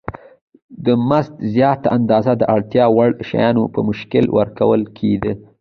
د مزد زیاته اندازه د اړتیا وړ شیانو په شکل ورکول کېده